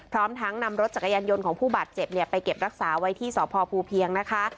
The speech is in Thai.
พร้อมทั้งนำรถจักรยานยนต์ของผู้บาดเจ็บไปเก็บรักษาไว้ที่สพภูเพียงนะคะ